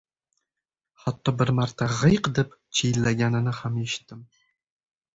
Hatto bir marta «g‘iyq» deb chiyillaganini ham eshitdim.